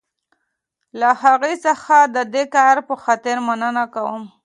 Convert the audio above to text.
له هغه څخه د دې کار په خاطر مننه کوم.